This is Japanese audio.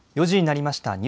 ４時になりました。